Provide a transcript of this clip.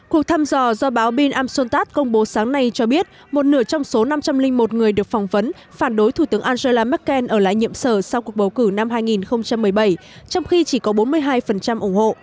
cuộc thăm dò do báo bin amstontat công bố sáng nay cho biết một nửa trong số năm trăm linh một người được phỏng vấn phản đối thủ tướng angela merkel ở lại nhiệm sở sau cuộc bầu cử năm hai nghìn một mươi bảy trong khi chỉ có bốn mươi hai ủng hộ